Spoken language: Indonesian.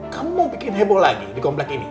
kamu mau bikin heboh lagi di komplek ini